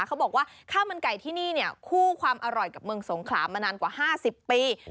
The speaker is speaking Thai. เขาบอกว่าข้าวมันไก่ที่นี่เนี่ยคู่ความอร่อยกับเมืองสงขลามานานกว่า๕๐ปี